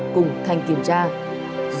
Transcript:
cùng thành công